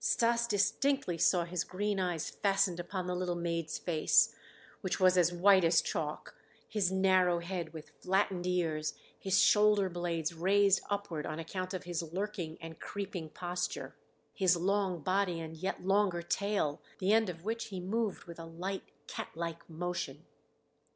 Stas distinctly saw his green eyes fastened upon the little maid's face, which was as white as chalk, his narrow head with flattened ears, his shoulder blades raised upward on account of his lurking and creeping posture, his long body and yet longer tail, the end of which he moved with a light, cat like motion.